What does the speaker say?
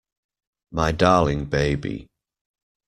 My darling baby.